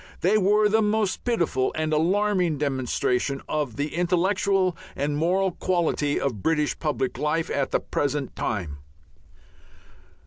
They were the most pitiful and alarming demonstration of the intellectual and moral quality of British public life at the present time.